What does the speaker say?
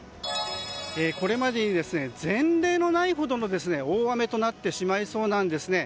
これまで前例のないほどの大雨となってしまいそうなんです。